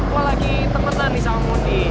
apalagi tepetan nih sama mondi